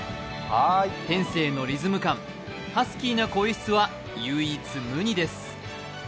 天性のリズム感、ハスキーな声質は唯一無二です。